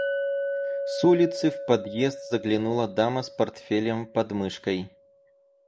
С улицы в подъезд заглянула дама с портфелем подмышкой.